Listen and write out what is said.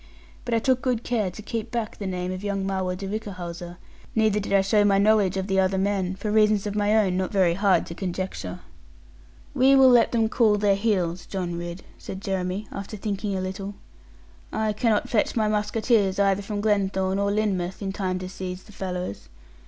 But I took good care to keep back the name of young Marwood de Whichehalse; neither did I show my knowledge of the other men; for reasons of my own not very hard to conjecture. 'We will let them cool their heels, John Ridd,' said Jeremy, after thinking a little. 'I cannot fetch my musketeers either from Glenthorne or Lynmouth, in time to seize the fellows.